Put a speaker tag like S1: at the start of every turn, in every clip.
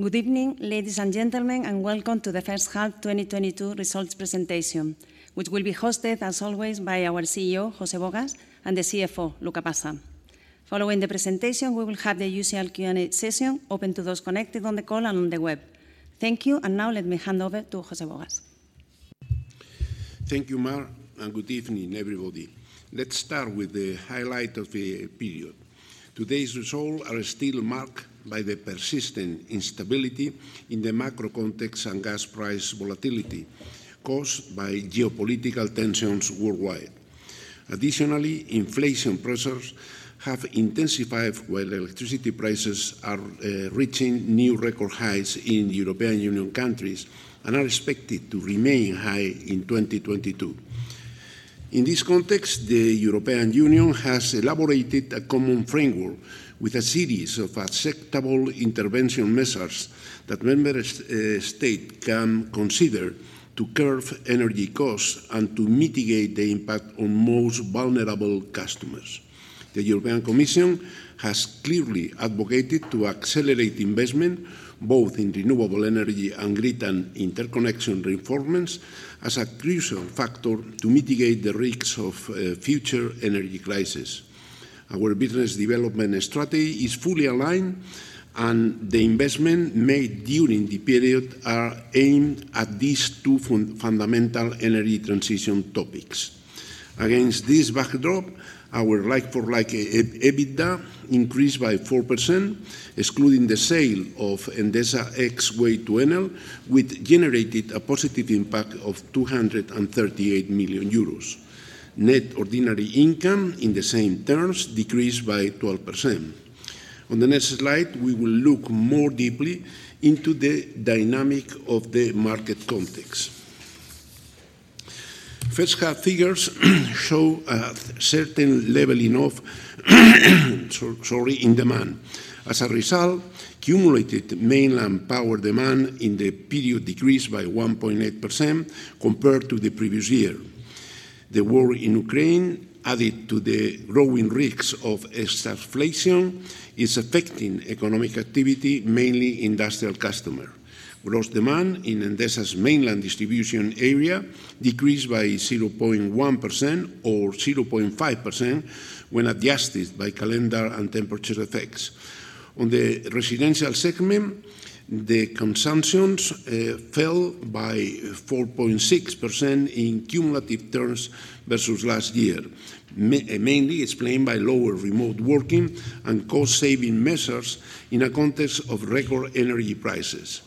S1: Good evening, ladies and gentlemen, and welcome to the first half 2022 results presentation, which will be hosted, as always, by our CEO, José Bogas, and the CFO, Luca Passa. Following the presentation, we will have the usual Q&A session open to those connected on the call and on the web. Thank you, and now let me hand over to José Bogas.
S2: Thank you, Mar, and good evening, everybody. Let's start with the highlight of the period. Today's results are still marked by the persistent instability in the macro context and gas price volatility caused by geopolitical tensions worldwide. Additionally, inflation pressures have intensified while electricity prices are reaching new record highs in European Union countries and are expected to remain high in 2022. In this context, the European Union has elaborated a common framework with a series of acceptable intervention measures that member states can consider to curb energy costs and to mitigate the impact on most vulnerable customers. The European Commission has clearly advocated to accelerate investment, both in renewable energy and grid and interconnection reinforcements, as a crucial factor to mitigate the risks of future energy crisis. Our business development strategy is fully aligned, and the investment made during the period are aimed at these two fundamental energy transition topics. Against this backdrop, our like-for-like EBITDA increased by 4%, excluding the sale of Endesa X Way to Enel, which generated a positive impact of 238 million euros. Net Ordinary Income, in the same terms, decreased by 12%. On the next slide, we will look more deeply into the dynamics of the market context. First half figures show a certain leveling off in demand. As a result, cumulative mainland power demand in the period decreased by 1.8% compared to the previous year. The war in Ukraine, added to the growing risks of stagflation, is affecting economic activity, mainly industrial customers. Gross demand in Endesa's mainland distribution area decreased by 0.1% or 0.5% when adjusted by calendar and temperature effects. On the residential segment, the consumptions fell by 4.6% in cumulative terms versus last year, mainly explained by lower remote working and cost-saving measures in a context of record energy prices.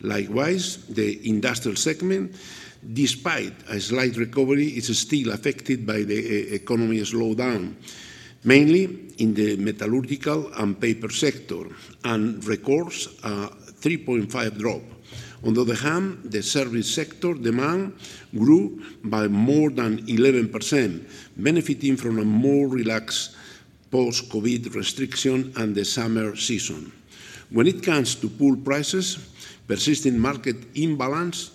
S2: Likewise, the industrial segment, despite a slight recovery, is still affected by the economy slowdown, mainly in the metallurgical and paper sector, and records a 3.5% drop. On the other hand, the service sector demand grew by more than 11%, benefiting from a more relaxed post-COVID restriction and the summer season. When it comes to pool prices, persistent market imbalance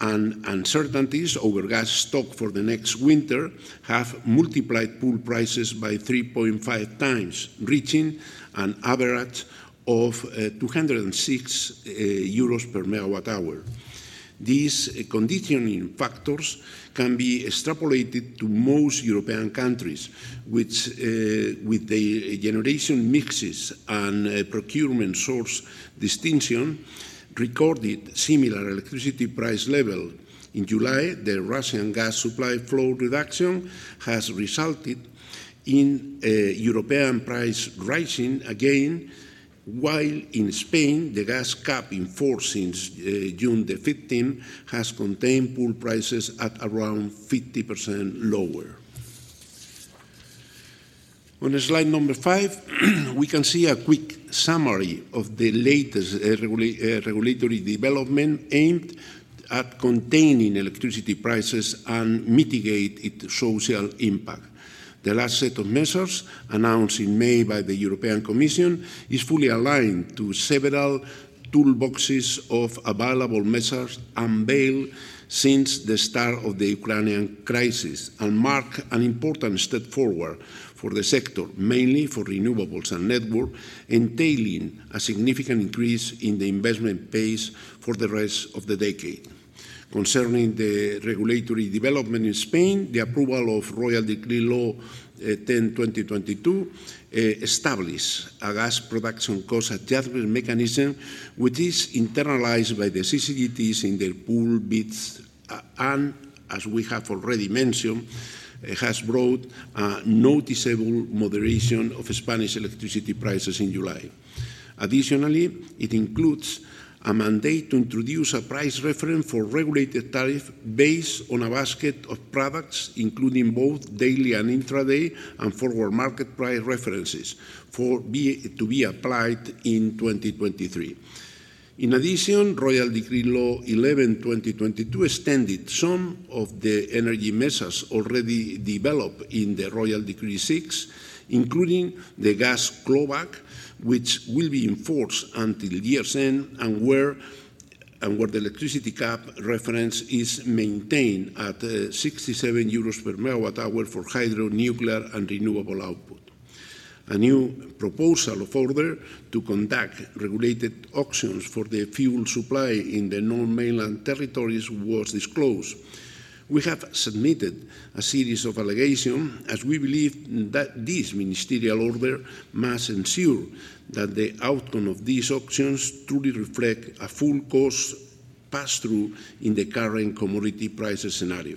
S2: and uncertainties over gas stock for the next winter have multiplied pool prices by 3.5x, reaching an average of 206 euros per MWh. These conditioning factors can be extrapolated to most European countries, which, with the generation mixes and procurement source distinction, recorded similar electricity price level. In July, the Russian gas supply flow reduction has resulted in European price rising again, while in Spain, the gas cap, in force since June 15th, has contained pool prices at around 50% lower. On slide number five, we can see a quick summary of the latest regulatory development aimed at containing electricity prices and mitigate its social impact. The last set of measures, announced in May by the European Commission, is fully aligned to several toolboxes of available measures unveiled since the start of the Ukrainian crisis and mark an important step forward for the sector, mainly for renewables and network, entailing a significant increase in the investment pace for the rest of the decade. Concerning the regulatory development in Spain, the approval of Royal Decree-Law 10/2022 established a gas cost adjustment mechanism, which is internalized by the CCGTs in their pool bids, and as we have already mentioned, it has brought a noticeable moderation of Spanish electricity prices in July. Additionally, it includes a mandate to introduce a price reference for regulated tariff based on a basket of products, including both daily and intraday and forward market price references to be applied in 2023. In addition, Royal Decree-Law 11/2022 extended some of the energy measures already developed in the Royal Decree-Law 6/2022, including the gas clawback, which will be in force until year's end and where the electricity cap reference is maintained at 67 euros per MWh for hydro, nuclear, and renewable output. A new proposed order to conduct regulated auctions for the fuel supply in the non-mainland territories was disclosed. We have submitted a series of allegations, as we believe that this ministerial order must ensure that the outcome of these auctions truly reflects a full cost pass-through in the current commodity prices scenario.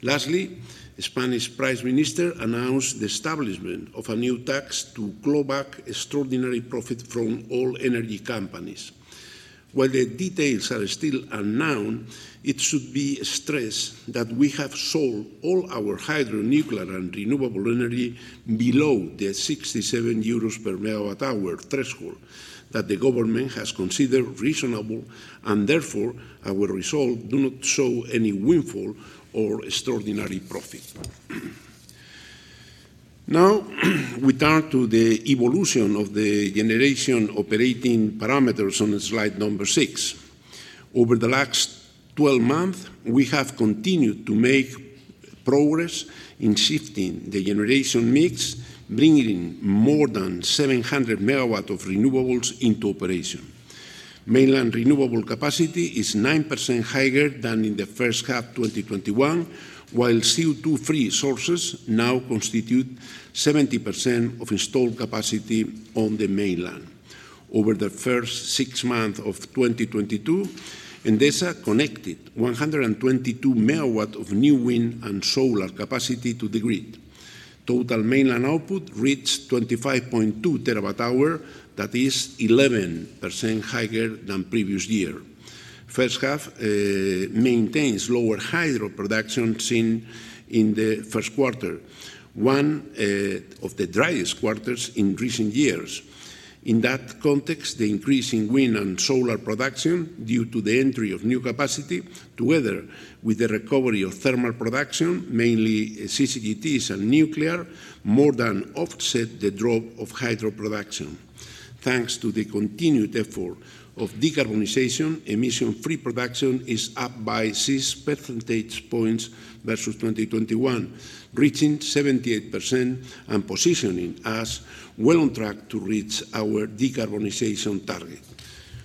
S2: Lastly, Spanish prime minister announced the establishment of a new tax to claw back extraordinary profits from all energy companies. While the details are still unknown, it should be stressed that we have sold all our hydro, nuclear, and renewable energy below the 67 euros per MWh threshold that the government has considered reasonable, and therefore, our results do not show any windfall or extraordinary profit. Now we turn to the evolution of the generation operating parameters on slide six. Over the last 12 months, we have continued to make progress in shifting the generation mix, bringing more than 700 MW of renewables into operation. Mainland renewable capacity is 9% higher than in the first half 2021, while CO₂-free sources now constitute 70% of installed capacity on the mainland. Over the first six months of 2022, Endesa connected 122 MW of new wind and solar capacity to the grid. Total mainland output reached 25.2 TWh, that is 11% higher than previous year. First half maintains lower hydro production seen in the first quarter, one of the driest quarters in recent years. In that context, the increase in wind and solar production, due to the entry of new capacity, together with the recovery of thermal production, mainly CCGTs and nuclear, more than offset the drop of hydro production. Thanks to the continued effort of decarbonization, emission-free production is up by 6 percentage points versus 2021, reaching 78% and positioning us well on track to reach our decarbonization target.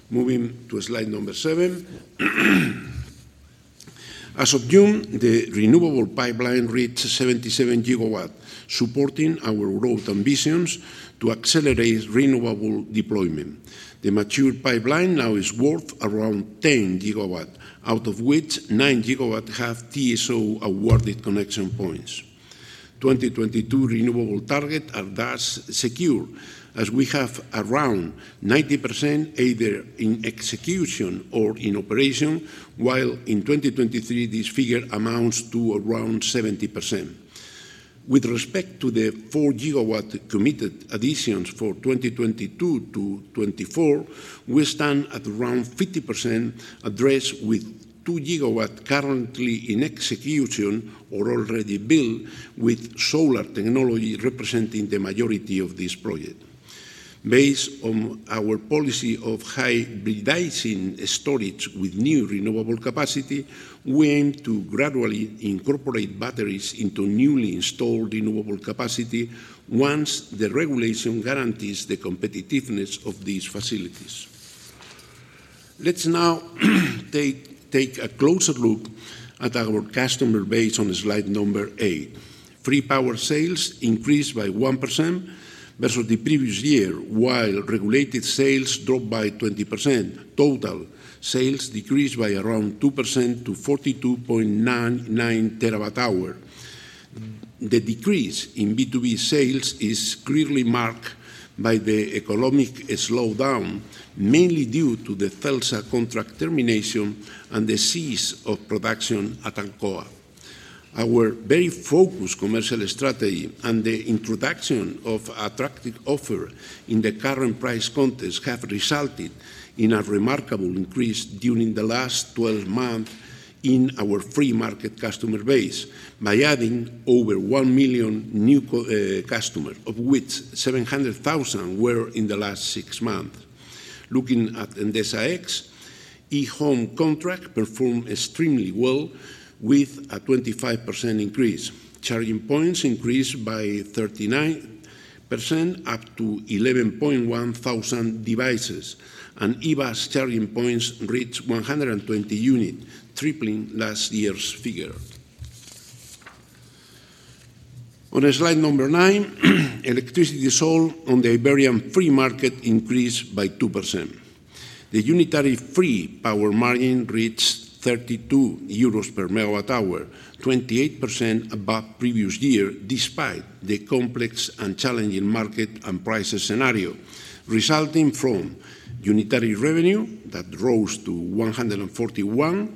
S2: Moving to slide number seven. As of June, the renewable pipeline reached 77 GW, supporting our growth ambitions to accelerate renewable deployment. The mature pipeline now is worth around 10 GW, out of which 9 GW have TSO-awarded connection points. 2022 renewable target are thus secure, as we have around 90% either in execution or in operation, while in 2023, this figure amounts to around 70%. With respect to the 4 GW committed additions for 2022 to 2024, we stand at around 50% addressed with 2 GW currently in execution or already built, with solar technology representing the majority of this project. Based on our policy of hybridizing storage with new renewable capacity, we aim to gradually incorporate batteries into newly installed renewable capacity once the regulation guarantees the competitiveness of these facilities. Let's now take a closer look at our customer base on slide eight. Free power sales increased by 1% versus the previous year, while regulated sales dropped by 20%. Total sales decreased by around 2% to 42.99 TWh. The decrease in B2B sales is clearly marked by the economic slowdown, mainly due to the Celsa contract termination and the cease of production at Alcoa. Our very focused commercial strategy and the introduction of attractive offer in the current price context have resulted in a remarkable increase during the last 12 month in our free market customer base by adding over 1,000,000 new customer, of which 700,000 were in the last six month. Looking at Endesa X, e-Home contract performed extremely well with a 25% increase. Charging points increased by 39%, up to 11.1 thousand devices, and EVAS charging points reached 120 unit, tripling last year's figure. On slide number nine, electricity sold on the Iberian free market increased by 2%. The unitary free power margin reached 32 euros per MWh, 28% above previous year, despite the complex and challenging market and prices scenario, resulting from unitary revenue that rose to 141,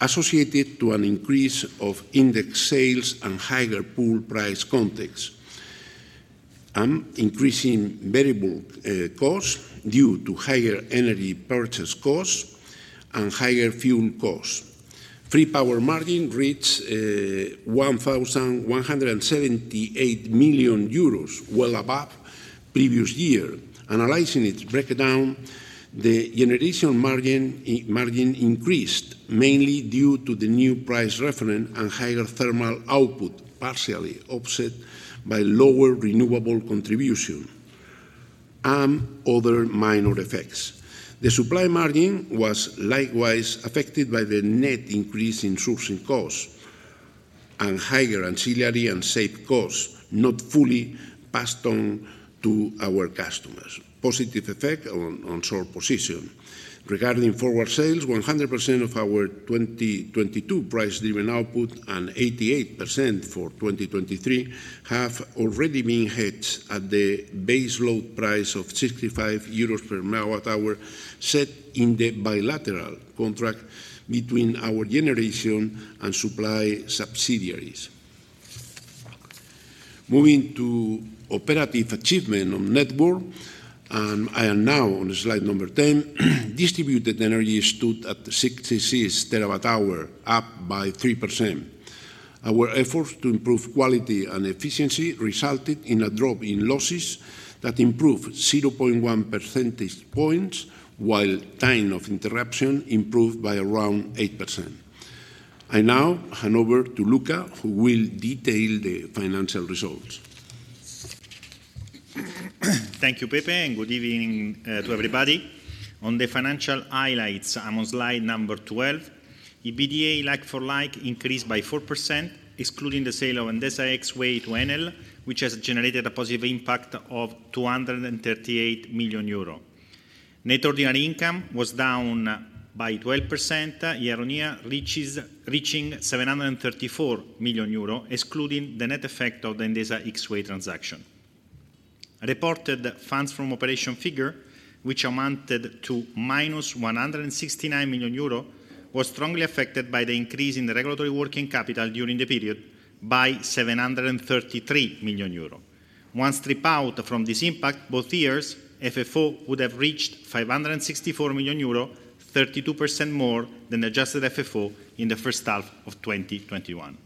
S2: associated to an increase of index sales and higher pool price context, and increasing variable costs due to higher energy purchase costs and higher fuel costs. Free power margin reached 1,178 million euros, well above previous year. Analyzing its breakdown, the generation margin margin increased mainly due to the new price reference and higher thermal output, partially offset by lower renewable contribution and other minor effects. The supply margin was likewise affected by the net increase in sourcing costs and higher ancillary and shape costs not fully passed on to our customers. Positive effect on short position. Regarding forward sales, 100% of our 2022 price-driven output and 88% for 2023 have already been hedged at the base load price of 65 euros per MWh set in the bilateral contract between our generation and supply subsidiaries. Moving to operative achievement on network. I am now on slide 10. Distributed energy stood at 66 TWh, up by 3%. Our efforts to improve quality and efficiency resulted in a drop in losses that improved 0.1 percentage points, while time of interruption improved by around 8%. I now hand over to Luca, who will detail the financial results.
S3: Thank you, Pepe, and good evening to everybody. On the financial highlights, I'm on slide number 12. EBITDA like-for-like increased by 4%, excluding the sale of Endesa X Way to Enel, which has generated a positive impact of 238 million euro. Net Ordinary Income was down by 12% year-on-year, reaching 734 million euro, excluding the net effect of the Endesa X Way transaction. Reported funds from operation figure, which amounted to -169 million euro, was strongly affected by the increase in the regulatory working capital during the period by 733 million euro. Once stripped out from this impact, both years, FFO would have reached 564 million euro, 32% more than adjusted FFO in the first half of 2021.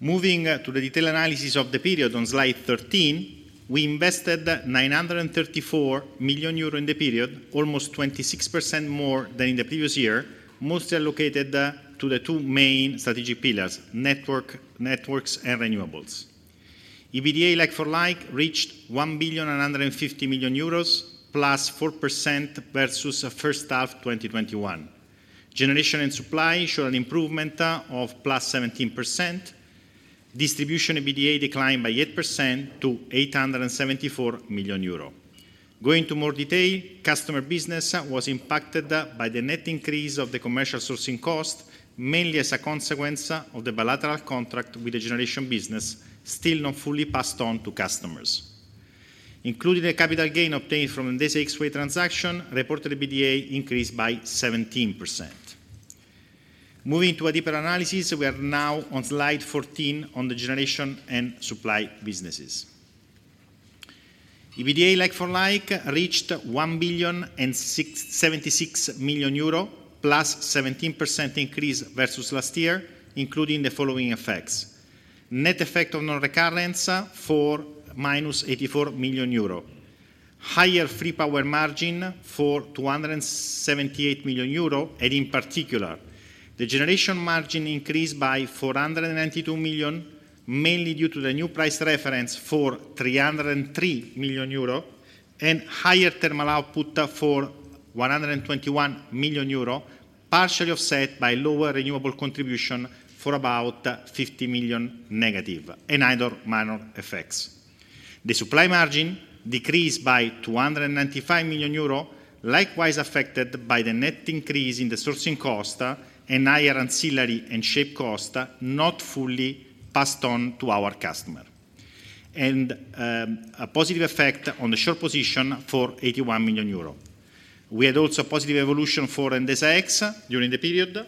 S3: Moving to the detailed analysis of the period on slide thirteen, we invested 934 million euro in the period, almost 26% more than in the previous year, mostly allocated to the two main strategic pillars, networks and renewables. EBITDA like-for-like reached EUR 1,150 million, +4% versus first half 2021. Generation and supply showed an improvement of +17%. Distribution EBITDA declined by 8% to 874 million euro. Going to more detail, customer business was impacted by the net increase of the commercial sourcing cost, mainly as a consequence of the bilateral contract with the generation business still not fully passed on to customers. Including the capital gain obtained from Endesa X Way transaction, reported EBITDA increased by 17%. Moving to a deeper analysis, we are now on slide 14 on the generation and supply businesses. EBITDA like-for-like reached EUR 1,676 million, +17% increase versus last year, including the following effects. Net effect of non-recurrents for -84 million euro. Higher free power margin for 278 million euro and in particular, the generation margin increased by 492 million, mainly due to the new price reference for 303 million euro and higher thermal output for 121 million euro, partially offset by lower renewable contribution for about 50 million negative and other minor effects. The supply margin decreased by 295 million euro, likewise affected by the net increase in the sourcing cost, and higher ancillary and shape cost, not fully passed on to our customer. A positive effect on the short position for 81 million euro. We had also positive evolution for Endesa X during the period.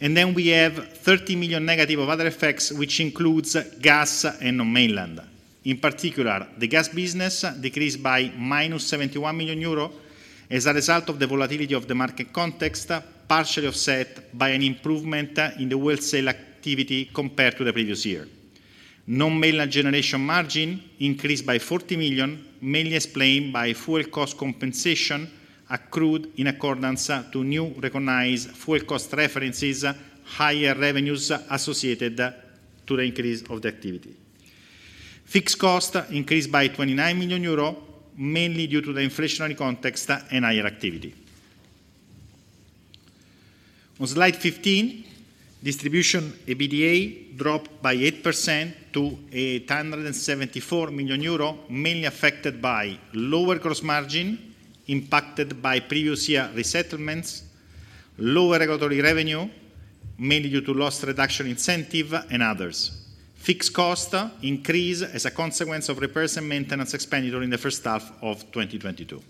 S3: We have 30 million negative of other effects, which includes gas and non-mainland. In particular, the gas business decreased by -71 million euro as a result of the volatility of the market context, partially offset by an improvement in the wholesale activity compared to the previous year. Non-mainland generation margin increased by 40 million, mainly explained by fuel cost compensation accrued in accordance to new recognized fuel cost references, higher revenues associated to the increase of the activity. Fixed cost increased by 29 million euro, mainly due to the inflationary context and higher activity. On slide 15, distribution EBITDA dropped by 8% to 874 million euro, mainly affected by lower gross margin impacted by previous year resettlements, lower regulatory revenue, mainly due to loss reduction incentive and others. Fixed cost increase as a consequence of repairs and maintenance expenditure in the first half of 2022.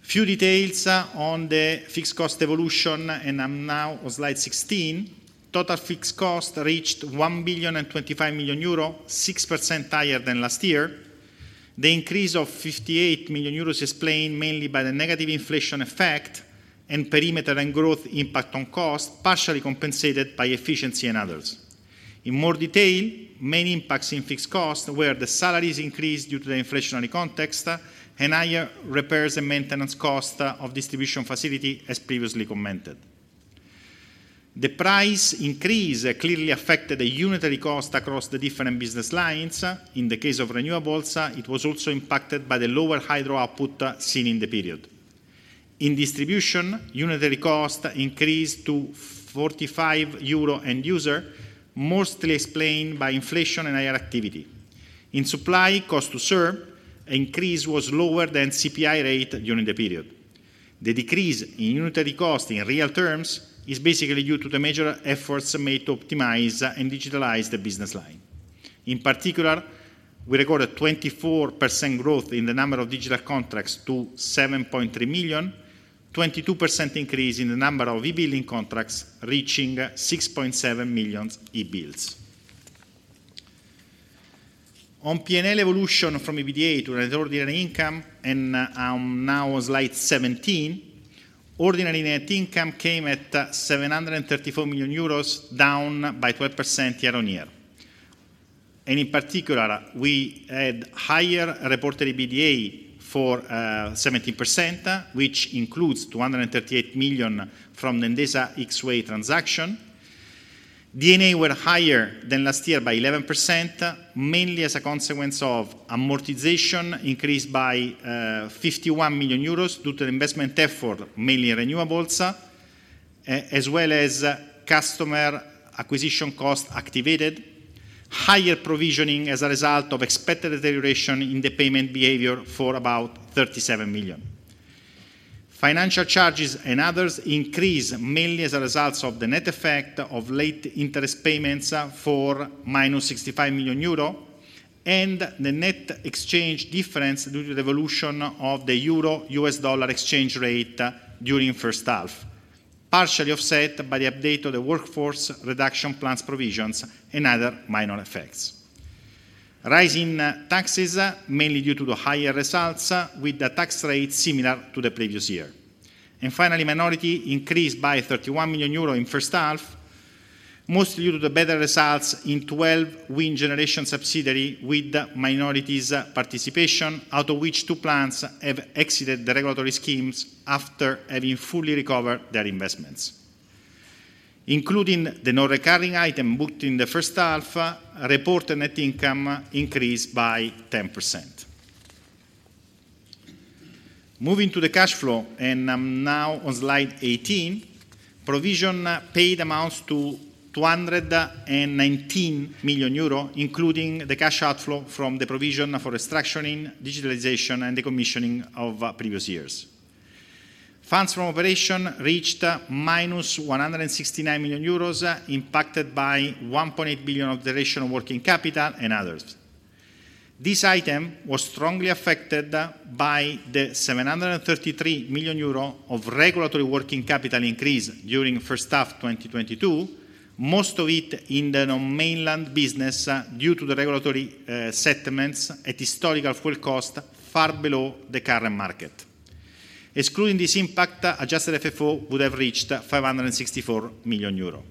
S3: Few details on the fixed cost evolution, and I'm now on slide 16. Total fixed cost reached 1,025 million euro, 6% higher than last year. The increase of 58 million euros is explained mainly by the negative inflation effect and perimeter and growth impact on cost, partially compensated by efficiency and others. In more detail, main impacts in fixed costs were the salaries increase due to the inflationary context and higher repairs and maintenance cost of distribution facility, as previously commented. The price increase clearly affected the unitary cost across the different business lines. In the case of renewables, it was also impacted by the lower hydro output seen in the period. In distribution, unitary cost increased to 45 euro end user, mostly explained by inflation and higher activity. In supply, cost to serve, increase was lower than CPI rate during the period. The decrease in unitary cost in real terms is basically due to the major efforts made to optimize and digitalize the business line. In particular, we recorded 24% growth in the number of digital contracts to 7.3 million, 22% increase in the number of e-billing contracts, reaching 6.7 million e-bills. On P&L evolution from EBITDA to ordinary income, and I'm now on slide 17, ordinary net income came at 734 million euros, down by 12% year-on-year. In particular, we had higher reported EBITDA for 17%, which includes 238 million from the Endesa X Way transaction. D&A were higher than last year by 11%, mainly as a consequence of amortization increased by 51 million euros due to the investment effort, mainly in renewables, as well as customer acquisition costs activated, higher provisioning as a result of expected deterioration in the payment behavior for about 37 million. Financial charges and others increased mainly as a result of the net effect of lower interest payments for -65 million euro and the net exchange difference due to the evolution of the euro-U.S. dollar exchange rate during first half, partially offset by the update of the workforce reduction plans provisions and other minor effects. Income taxes mainly due to the higher results with the tax rate similar to the previous year. Finally, minority increased by 31 million euros in first half, mostly due to the better results in 12 wind generation subsidiary with minorities participation, out of which two plants have exited the regulatory schemes after having fully recovered their investments. Including the non-recurring item booked in the first half, reported net income increased by 10%. Moving to the cash flow, and I'm now on slide 18, provision paid amounts to 219 million euro, including the cash outflow from the provision for restructuring, digitalization, and decommissioning of previous years. Funds from operation reached -169 million euros, impacted by 1.8 billion of the rationalization of working capital and others. This item was strongly affected by the 733 million euro of regulatory working capital increase during first half 2022, most of it in the non-mainland business due to the regulatory settlements at historical full cost, far below the current market. Excluding this impact, adjusted FFO would have reached 564 million euro.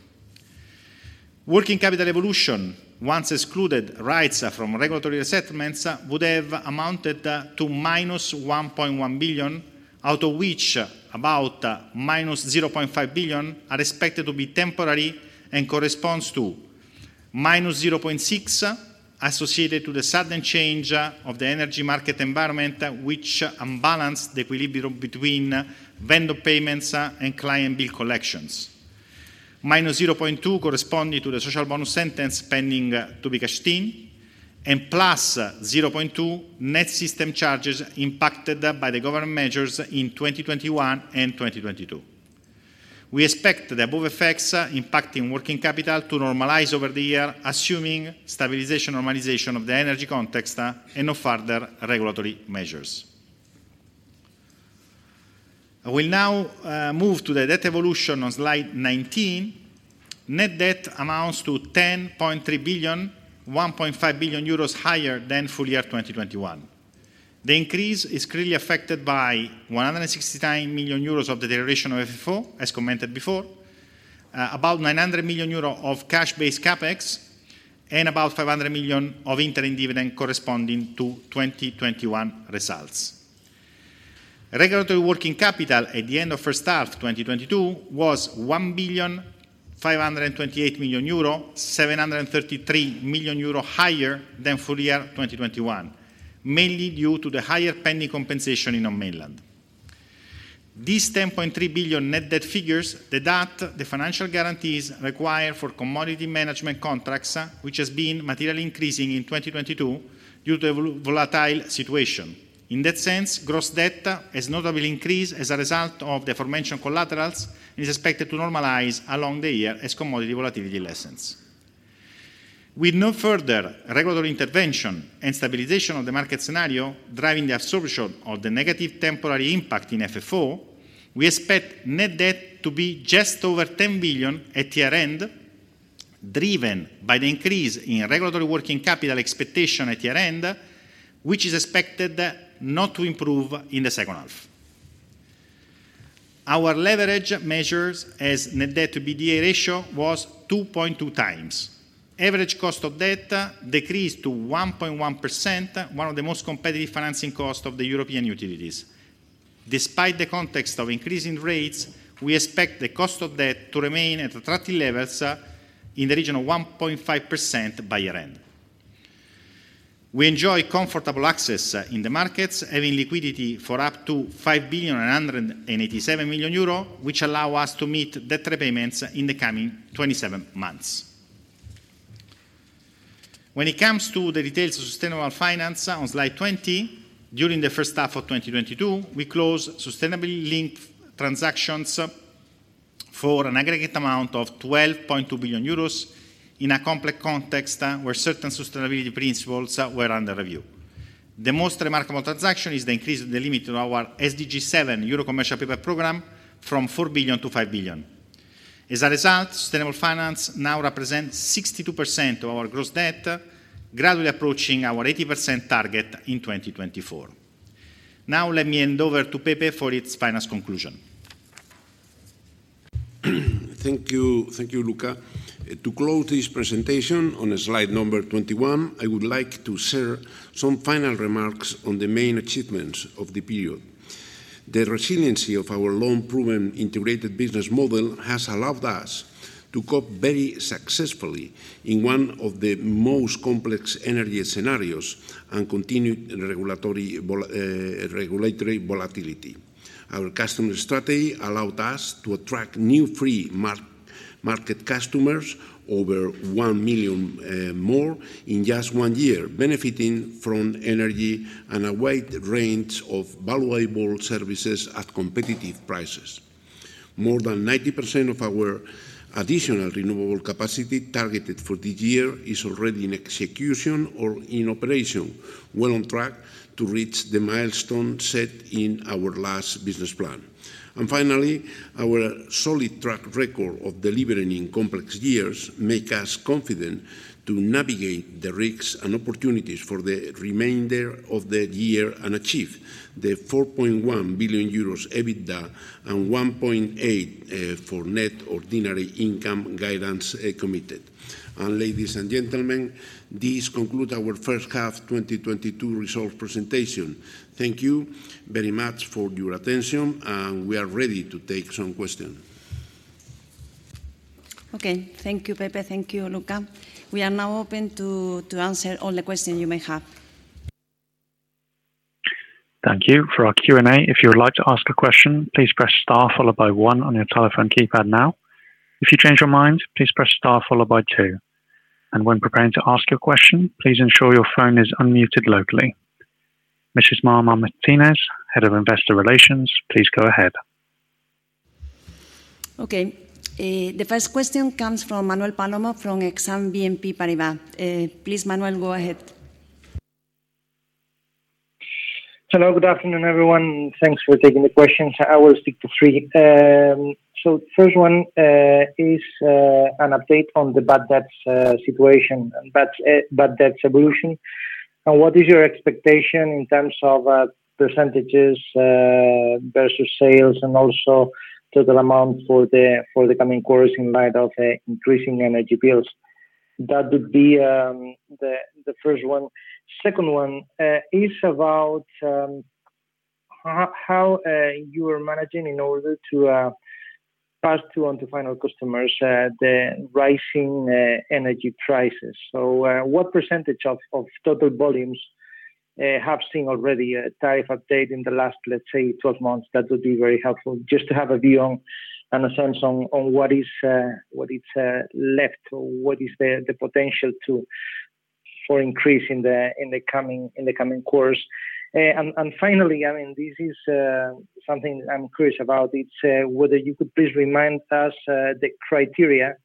S3: Working capital evolution, once excluded rights from regulatory settlements, would have amounted to -1.1 billion, out of which about -0.5 billion are expected to be temporary and corresponds to -0.6 billion associated to the sudden change of the energy market environment which unbalanced the equilibrium between vendor payments and client bill collections. -0.2 corresponding to the Social Bonus settlement pending to be cashed in, and +0.2 net system charges impacted by the government measures in 2021 and 2022. We expect the above effects impacting working capital to normalize over the year, assuming stabilization normalization of the energy context and no further regulatory measures. I will now, move to the debt evolution on slide 19. Net debt amounts to 10.3 billion, 1.5 billion euros higher than full year 2021. The increase is clearly affected by 169 million euros of the deterioration of FFO, as commented before, about 900 million euros of cash-based CapEx, and about 500 million of interim dividend corresponding to 2021 results. Regulatory working capital at the end of first half 2022 was 1,528 million euro, 733 million euro higher than full year 2021, mainly due to the higher pending compensation in our mainland. These 10.3 billion net debt figures deduct the financial guarantees required for commodity management contracts, which has been materially increasing in 2022 due to volatile situation. In that sense, gross debt has notably increased as a result of the aforementioned collaterals and is expected to normalize along the year as commodity volatility lessens. With no further regulatory intervention and stabilization of the market scenario driving the absorption of the negative temporary impact in FFO, we expect net debt to be just over 10 billion at year-end, driven by the increase in regulatory working capital expectation at year-end, which is expected not to improve in the second half. Our leverage measures as net debt to EBITDA ratio was 2.2x. Average cost of debt decreased to 1.1%, one of the most competitive financing cost of the European utilities. Despite the context of increasing rates, we expect the cost of debt to remain at attractive levels, in the region of 1.5% by year-end. We enjoy comfortable access in the markets, having liquidity for up to 5 billion and 187 million, which allow us to meet debt repayments in the coming 27 months. When it comes to the details of sustainable finance on slide 20, during the first half of 2022, we closed sustainably linked transactions for an aggregate amount of 12.2 billion euros in a complex context where certain sustainability principles were under review. The most remarkable transaction is the increase of the limit of our SDG 7 Euro-Commercial Paper Programme from 4 billion-5 billion. As a result, sustainable finance now represents 62% of our gross debt, gradually approaching our 80% target in 2024. Now let me hand over to Pepe for its final conclusion.
S2: Thank you. Thank you, Luca. To close this presentation on slide number 21, I would like to share some final remarks on the main achievements of the period. The resiliency of our long-proven integrated business model has allowed us to cope very successfully in one of the most complex energy scenarios and continued regulatory volatility. Our customer strategy allowed us to attract new free market customers, over 1 million more in just one year, benefiting from energy and a wide range of valuable services at competitive prices. More than 90% of our additional renewable capacity targeted for this year is already in execution or in operation, well on track to reach the milestone set in our last business plan. Finally, our solid track record of delivering in complex years makes us confident to navigate the risks and opportunities for the remainder of the year and achieve the 4.1 billion euros EBITDA and 1.8 billion for Net Ordinary Income guidance committed. Ladies and gentlemen, this concludes our first half 2022 results presentation. Thank you very much for your attention, and we are ready to take some questions.
S1: Okay. Thank you, Pepe. Thank you, Luca. We are now open to answer all the question you may have.
S4: Thank you. For our Q&A, if you would like to ask a question, please press star followed by one on your telephone keypad now. If you change your mind, please press star followed by two. When preparing to ask your question, please ensure your phone is unmuted locally. Mrs. Mar Martínez, Head of Investor Relations, please go ahead.
S1: Okay. The first question comes from Manuel Palomo from Exane BNP Paribas. Please, Manuel, go ahead.
S5: Hello. Good afternoon, everyone. Thanks for taking the questions. I will stick to three. First one is an update on the bad debts situation and bad debts evolution. What is your expectation in terms of percentages versus sales and also total amount for the coming quarters in light of increasing energy bills? That would be the first one. Second one is about how you are managing in order to pass through on to final customers the rising energy prices. What percentage of total volumes have seen already a tariff update in the last, let's say, 12 months? That would be very helpful, just to have a view on and a sense on what is left or what is the potential for increase in the coming quarters. Finally, I mean, this is something that I'm curious about. It's whether you could please remind us the criteria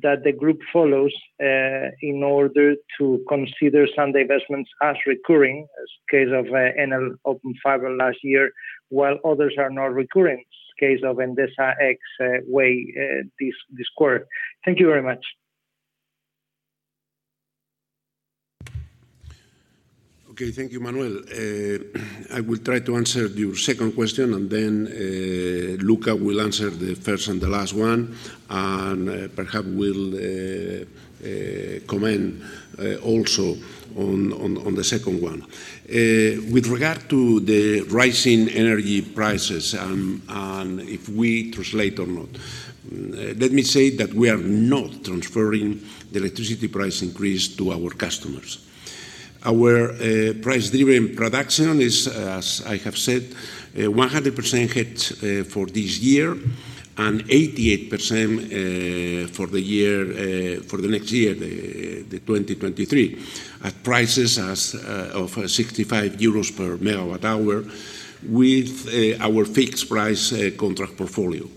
S5: that the group follows in order to consider some divestments as recurring, as in the case of Enel Open Fiber last year, while others are not recurring, as in the case of Endesa X Way this quarter. Thank you very much.
S2: Okay. Thank you, Manuel. I will try to answer your second question, and then Luca will answer the first and the last one, and perhaps will comment also on the second one. With regard to the rising energy prices, and if we transfer or not, let me say that we are not transferring the electricity price increase to our customers. Our price-driven production is, as I have said, 100% hedged for this year and 88% for the year for the next year, the 2023, at prices of 65 euros per MWh with our fixed price contract portfolio.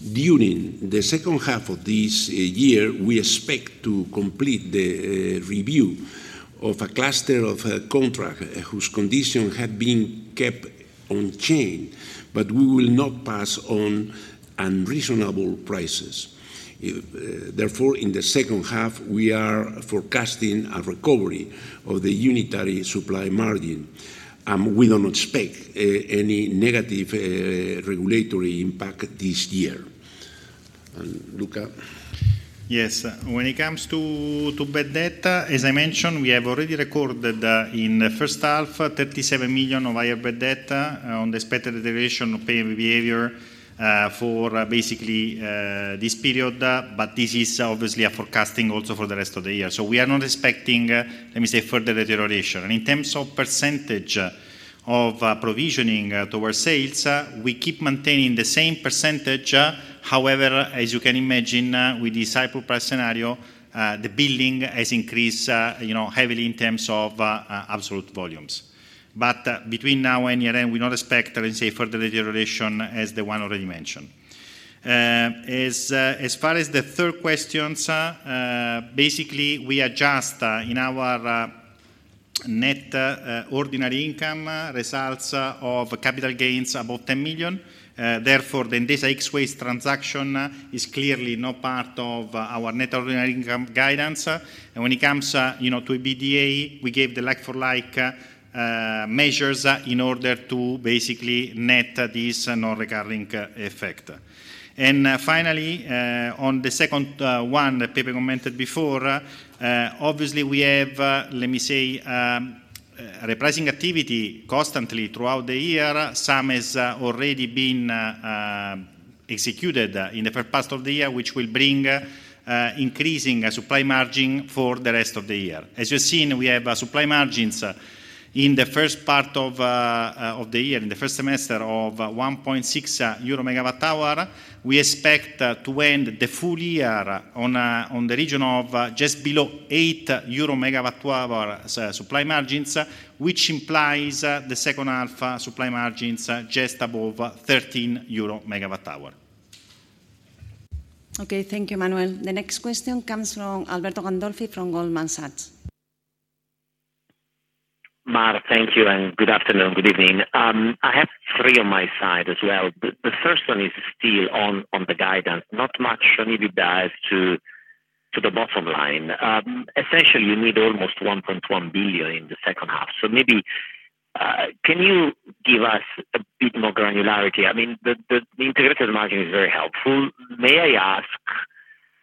S2: During the second half of this year, we expect to complete the review of a cluster of a contract whose condition had been kept unchanged, but we will not pass on unreasonable prices. Therefore, in the second half, we are forecasting a recovery of the unitary supply margin, and we do not expect any negative regulatory impact this year. Luca?
S3: Yes. When it comes to bad debt, as I mentioned, we have already recorded in the first half, 37 million of higher bad debt on the expected deterioration of payment behavior for basically this period, but this is obviously a forecasting also for the rest of the year. We are not expecting, let me say, further deterioration. In terms of percentage of provisioning towards sales, we keep maintaining the same percentage. However, as you can imagine, with this high price scenario, the billing has increased, you know, heavily in terms of absolute volumes. Between now and year-end, we not expect, let me say, further deterioration as the one already mentioned. As far as the third questions, basically we adjust in our Net Ordinary Income results of capital gains above 10 million. Therefore, this Endesa X Way transaction is clearly not part of our Net Ordinary Income guidance. When it comes, you know, to EBITDA, we gave the like-for-like measures in order to basically net this non-recurring effect. Finally, on the second one that Pepe commented before, obviously we have, let me say, repricing activity constantly throughout the year. Some has already been executed in the first part of the year, which will bring increasing supply margin for the rest of the year. As you have seen, we have supply margins in the first part of the year, in the first semester of 1.6 euro MWh. We expect to end the full year in the region of just below 8 euro MWh supply margins, which implies the second half supply margins just above 13 euro MWh.
S1: Okay, thank you, Manuel. The next question comes from Alberto Gandolfi from Goldman Sachs.
S6: Mar, thank you, and good afternoon. Good evening. I have three on my side as well. The first one is still on the guidance, not much maybe dive to the bottom line. Essentially you need almost 1.1 billion in the second half. Maybe can you give us a bit more granularity? I mean, the integrated margin is very helpful. May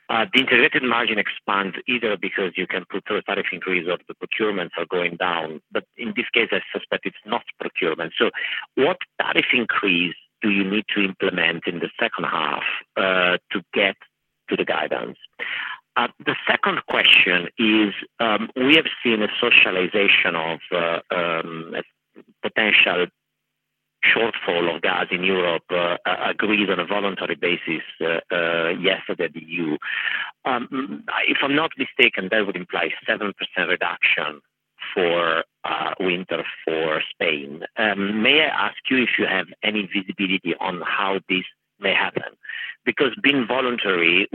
S6: I ask, the integrated margin expands either because you can put through a tariff increase or if the procurements are going down, but in this case, I suspect it's not procurement. What tariff increase do you need to implement in the second half to get to the guidance? The second question is, we have seen a socialization of potential shortfall of gas in Europe, agreed on a voluntary basis, yesterday at the EU. If I'm not mistaken, that would imply 7% reduction for winter for Spain. May I ask you if you have any visibility on how this may happen? Because being voluntary,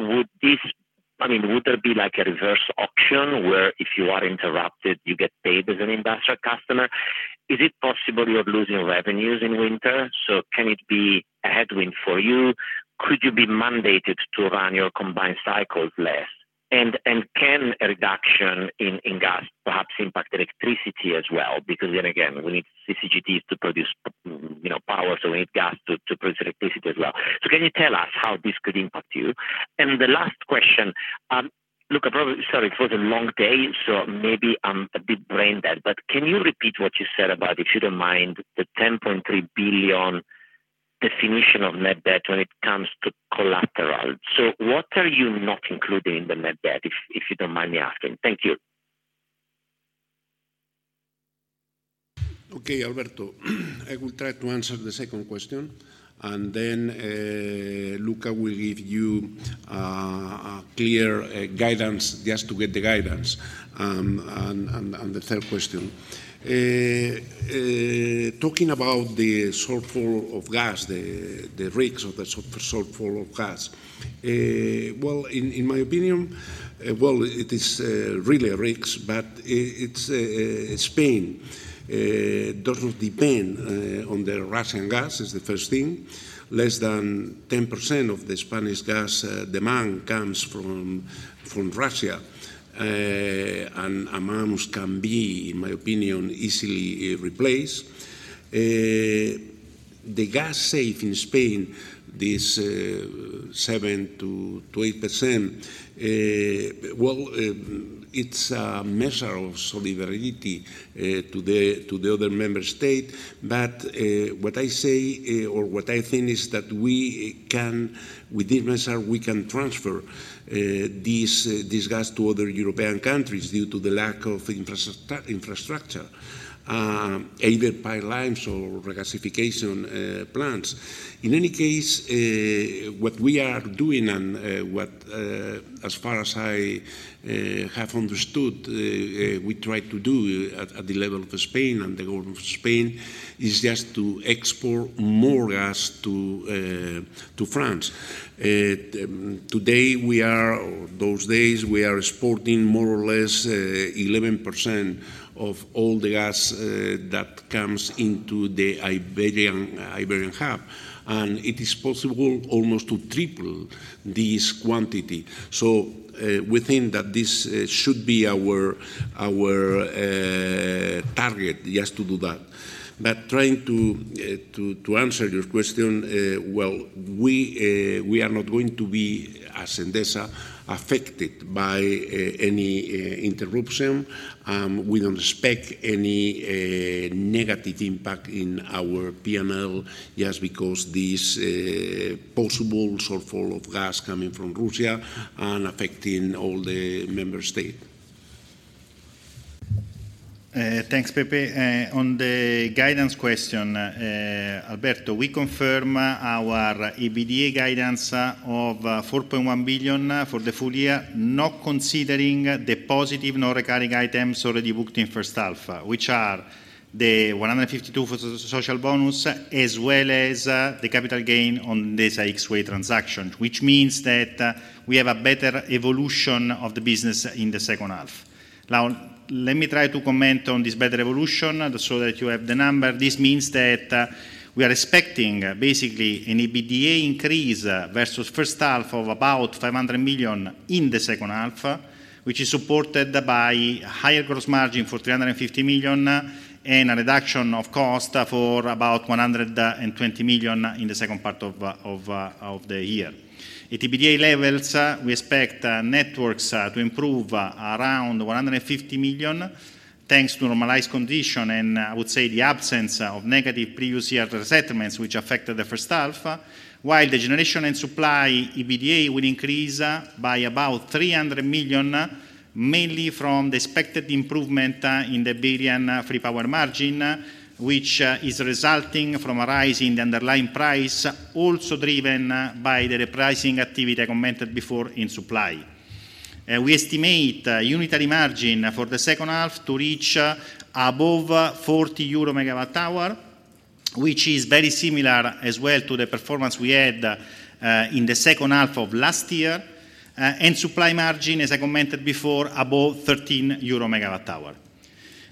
S6: I mean, would there be like a reverse auction where if you are interrupted, you get paid as an industrial customer? Is it possible you're losing revenues in winter? So can it be a headwind for you? Could you be mandated to run your combined cycles less? And can a reduction in gas perhaps impact electricity as well? Because then again, we need CCGTs to produce, you know, power, so we need gas to produce electricity as well. Can you tell us how this could impact you? The last question. Sorry, it was a long day, so maybe I'm a bit brain dead. Can you repeat what you said about, if you don't mind, the 10.3 billion definition of net debt when it comes to collateral? What are you not including in the net debt, if you don't mind me asking? Thank you.
S2: Okay, Alberto. I will try to answer the second question, and then Luca will give you a clear guidance just to get the guidance on the third question. Talking about the shortfall of gas, the risks of the shortfall of gas. Well, in my opinion, well, it is really a risk, but it's Spain doesn't depend on the Russian gas is the first thing. Less than 10% of the Spanish gas demand comes from Russia, an amount which can be, in my opinion, easily replaced. The gas share in Spain, this 7%-12%, well, it's a measure of solidarity to the other member state. What I say or what I think is that we can. With this measure, we can transfer this gas to other European countries due to the lack of infrastructure, either pipelines or regasification plants. In any case, what we are doing and what as far as I have understood we try to do at the level of Spain and the government of Spain is just to export more gas to France. Today we are, or those days, we are exporting more or less 11% of all the gas that comes into the Iberian hub, and it is possible almost to triple this quantity. We think that this should be our target, yes, to do that. Trying to answer your question, well, we are not going to be, as Endesa, affected by any interruption. We don't expect any negative impact in our P&L just because this possible shortfall of gas coming from Russia and affecting all the member state.
S3: Thanks, Pepe. On the guidance question, Alberto, we confirm our EBITDA guidance of 4.1 billion for the full year, not considering the positive non-recurring items already booked in first half, which are the 152 for Social Bonus, as well as the capital gain on this Endesa X Way transaction, which means that we have a better evolution of the business in the second half. Now, let me try to comment on this better evolution, so that you have the number. This means that we are expecting basically an EBITDA increase versus first half of about 500 million in the second half, which is supported by higher gross margin for 350 million and a reduction of cost for about 120 million in the second part of the year. At EBITDA levels, we expect networks to improve around 150 million, thanks to normalized condition and, I would say, the absence of negative previous year settlements which affected the first half, while the generation and supply EBITDA will increase by about 300 million, mainly from the expected improvement in the Iberian free power margin, which is resulting from a rise in the underlying price, also driven by the repricing activity I commented before in supply. We estimate unitary margin for the second half to reach above 40 euro MWh, which is very similar as well to the performance we had in the second half of last year. Supply margin, as I commented before, above 13 euro MWh.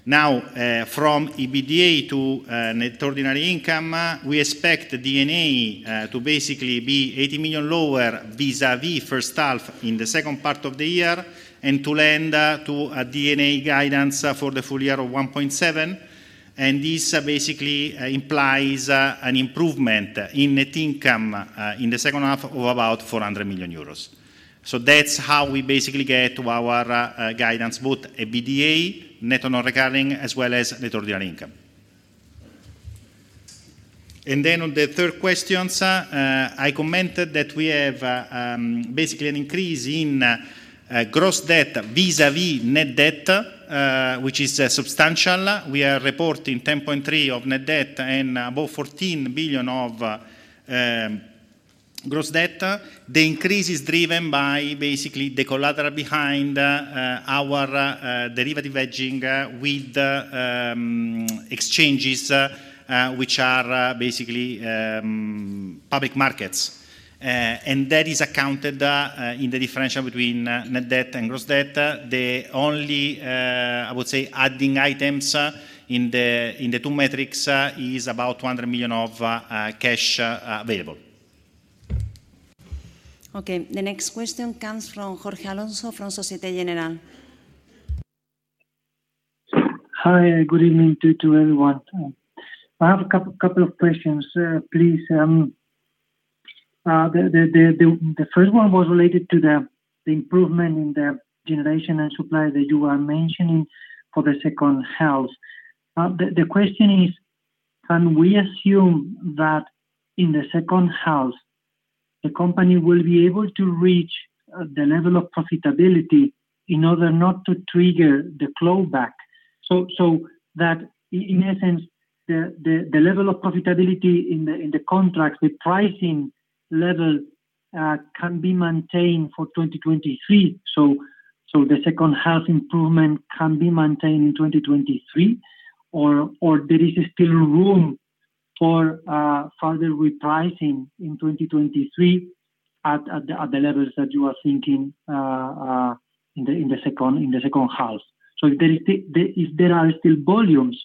S3: Now, from EBITDA to Net Ordinary Income, we expect D&A to basically be 80 million lower vis-a-vis first half in the second part of the year and to lead to a D&A guidance for the full year of 1.7, and this basically implies an improvement in net income in the second half of about 400 million euros. That's how we basically get to our guidance, both EBITDA, net non-recurring, as well as Net Ordinary Income. On the third question, I commented that we have basically an increase in gross debt vis-a-vis net debt, which is substantial. We are reporting 10.3 of net debt and about 14 billion of gross debt. The increase is driven by basically the collateral behind our derivative hedging with exchanges, which are basically public markets. That is accounted in the differential between net debt and gross debt. The only, I would say, adding items in the two metrics is about 200 million of cash available.
S1: Okay. The next question comes from Jorge Alonso from Société Générale.
S7: Hi. Good evening to everyone. I have a couple of questions, please. The first one was related to the improvement in the generation and supply that you are mentioning for the second half. The question is, can we assume that in the second half, the company will be able to reach the level of profitability in order not to trigger the clawback? That in essence, the level of profitability in the contract with pricing level can be maintained for 2023? The second half improvement can be maintained in 2023 or there is still room for further repricing in 2023 at the levels that you are thinking in the second half? If there are still volumes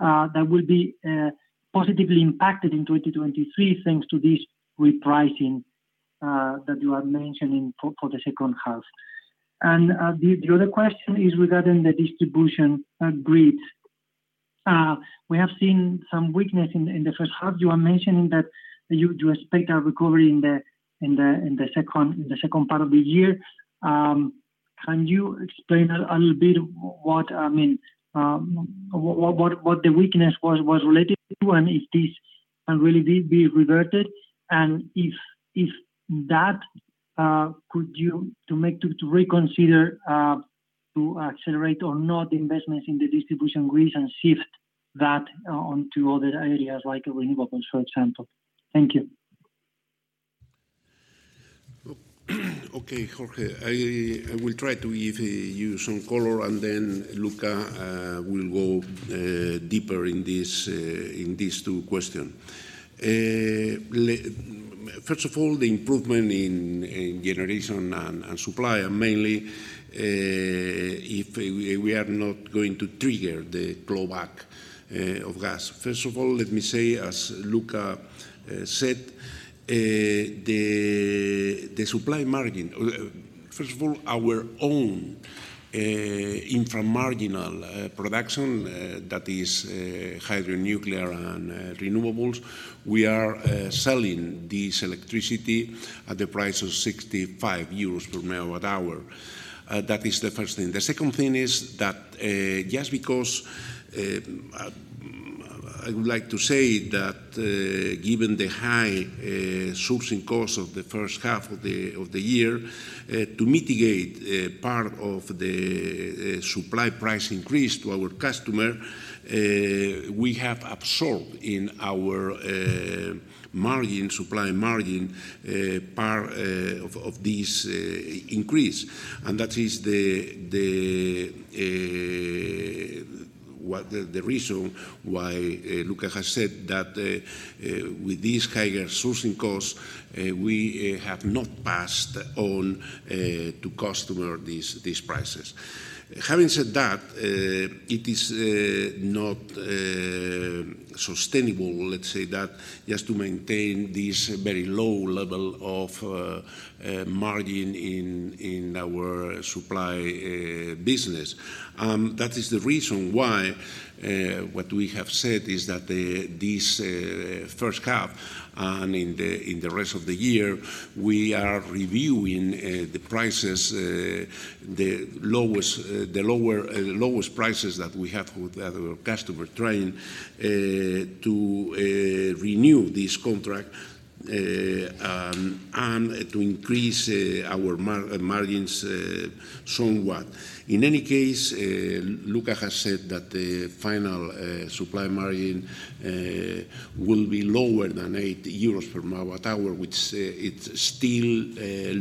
S7: that will be positively impacted in 2023, thanks to this repricing that you are mentioning for the second half. The other question is regarding the distribution grids. We have seen some weakness in the first half. You are mentioning that you do expect a recovery in the second part of the year. Can you explain a little bit what I mean what the weakness was related to? If this will be reverted? If that could cause you to reconsider to accelerate or not investments in the distribution grids and shift that on to other areas like renewables, for example? Thank you.
S2: Okay, Jorge. I will try to give you some color and then Luca will go deeper in this, in these two questions. First of all, the improvement in generation and supply are mainly, if we are not going to trigger the gas clawback. First of all, let me say, as Luca said, the supply margin. First of all, our own inframarginal production, that is, hydro, nuclear and renewables, we are selling this electricity at the price of 65 euros per MWh. That is the first thing. The second thing is that just because I would like to say that given the high sourcing cost of the first half of the year to mitigate part of the supply price increase to our customer we have absorbed in our supply margin part of this increase. That is the reason why Luca has said that with this higher sourcing cost we have not passed on to customer these prices. Having said that it is not sustainable, let's say that, just to maintain this very low level of margin in our supply business. That is the reason why what we have said is that this first half and in the rest of the year, we are reviewing the prices, the lowest prices that we have with our customer trying to renew this contract, and to increase our margins somewhat. In any case, Luca has said that the final supply margin will be lower than 8 euros per MWh, which it's still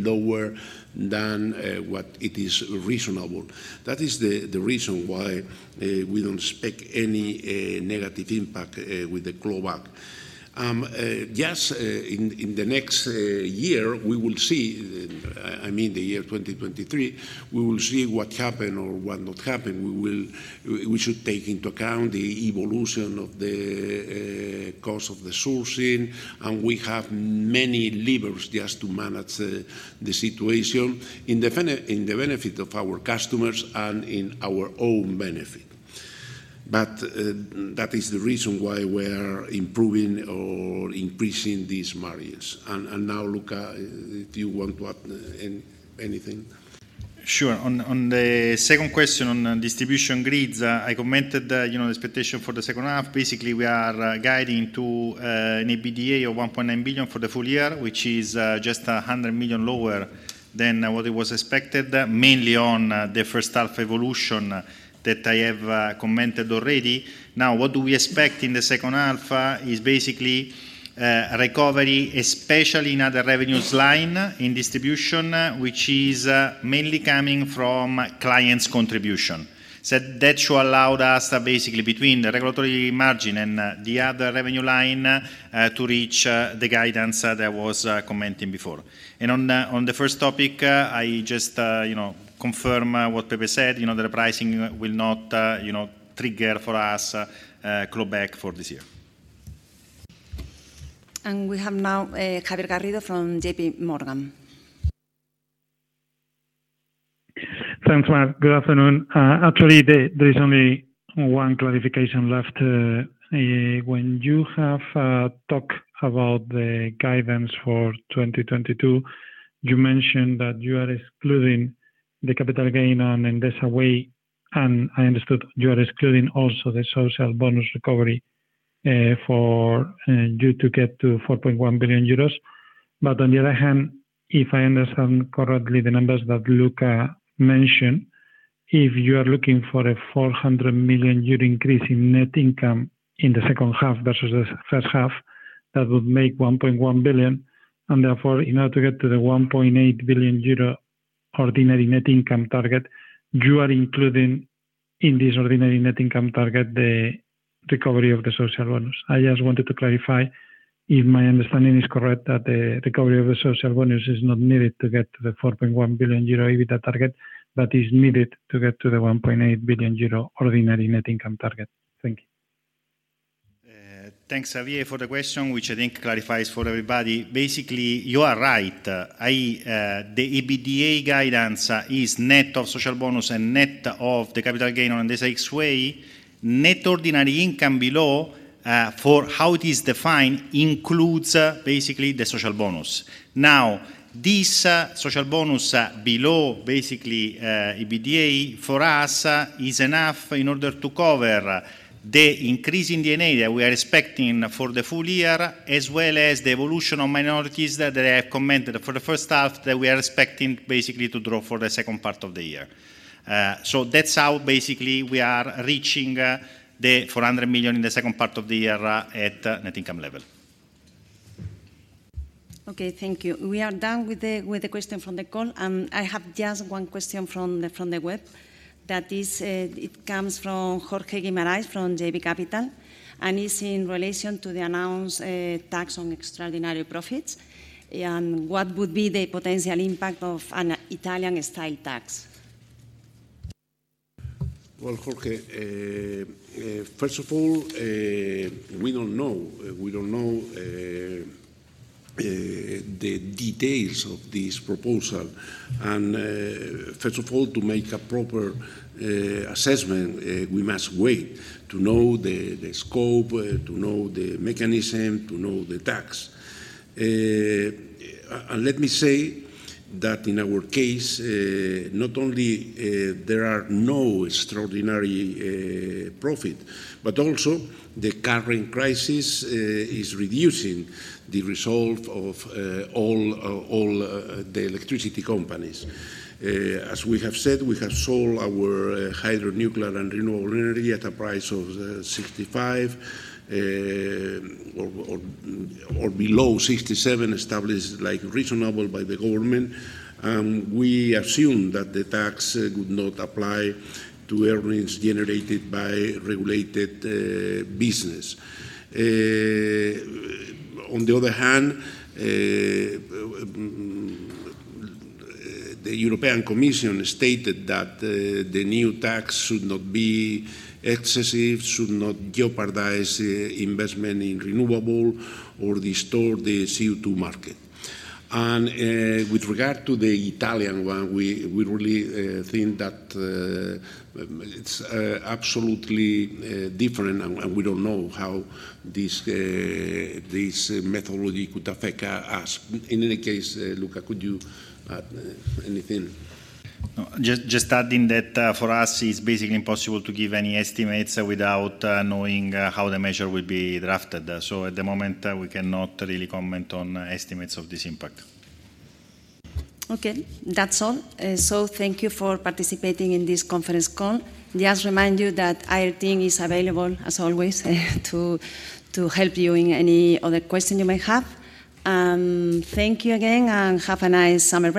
S2: lower than what it is reasonable. That is the reason why we don't expect any negative impact with the clawback. Yes, in the next year, we will see, I mean the year 2023, we will see what happen or what not happen. We will. We should take into account the evolution of the cost of the sourcing, and we have many levers just to manage the situation in the benefit of our customers and in our own benefit. That is the reason why we're improving or increasing these margins. Now, Luca, if you want to add anything.
S3: Sure. On the second question on distribution grids, I commented that, you know, the expectation for the second half. Basically, we are guiding to an EBITDA of 1.9 billion for the full year, which is just 100 million lower than what it was expected, mainly on the first half evolution that I have commented already. Now, what do we expect in the second half is basically recovery, especially in other revenues line in distribution, which is mainly coming from clients' contribution. That should allow us basically between the regulatory margin and the other revenue line to reach the guidance that I was commenting before. On the first topic, I just, you know, confirm what Pepe said. You know, that the pricing will not, you know, trigger for us, clawback for this year.
S1: We have now, Javier Garrido from JPMorgan.
S8: Thanks a lot. Good afternoon. Actually, there is only one clarification left. When you have talked about the guidance for 2022, you mentioned that you are excluding the capital gain on Endesa Way, and I understood you are excluding also the Social Bonus recovery, for you to get to 4.1 billion euros. On the other hand, if I understand correctly the numbers that Luca mentioned, if you are looking for a 400 million euro increase in net income in the second half versus the first half, that would make 1.1 billion. Therefore, in order to get to the 1.8 billion euro ordinary net income target, you are including in this ordinary net income target the recovery of the Social Bonus. I just wanted to clarify if my understanding is correct, that the recovery of the Social Bonus is not needed to get to the 4.1 billion euro EBITDA target, but is needed to get to the 1.8 billion euro ordinary net income target. Thank you.
S3: Thanks, Javier, for the question, which I think clarifies for everybody. Basically, you are right. The EBITDA guidance is net of Social Bonus and net of the capital gain on the Endesa X Way. Net Ordinary Income below EBITDA, for how it is defined, includes basically the Social Bonus. Now, this Social Bonus below EBITDA for us is enough in order to cover the increase in D&A that we are expecting for the full year, as well as the evolution of minorities that I have commented for the first half, that we are expecting basically to double for the second part of the year. That's how basically we are reaching the 400 million in the second part of the year at net income level.
S1: Okay, thank you. We are done with the question from the call, and I have just one question from the web that is, it comes from Jorge Guimarães from JB Capital, and is in relation to the announced tax on extraordinary profits, and what would be the potential impact of an Italian-style tax?
S2: Well, Jorge, first of all, we don't know the details of this proposal. First of all, to make a proper assessment, we must wait to know the scope, to know the mechanism, to know the tax. Let me say that in our case, not only there are no extraordinary profit, but also the current crisis is reducing the result of all the electricity companies. As we have said, we have sold our hydro, nuclear and renewable energy at a price of 65 or below 67, established like reasonable by the government. We assume that the tax would not apply to earnings generated by regulated business. On the other hand, the European Commission stated that the new tax should not be excessive, should not jeopardize investment in renewables or distort the CO2 market. With regard to the Italian one, we really think that it's absolutely different and we don't know how this methodology could affect us. In any case, Luca, could you add anything?
S3: No. Just adding that, for us, it's basically impossible to give any estimates without knowing how the measure will be drafted. At the moment, we cannot really comment on estimates of this impact.
S1: Okay, that's all. Thank you for participating in this conference call. Just remind you that our team is available as always to help you in any other question you may have. Thank you again, and have a nice summer break.